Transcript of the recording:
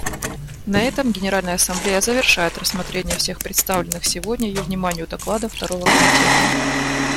На этом Генеральная Ассамблея завершает рассмотрение всех представленных сегодня ее вниманию докладов Второго комитета.